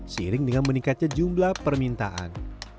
seiring dengan meningkatnya jumlah permintaan